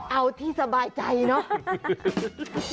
เอาที่สบายใจเนอะ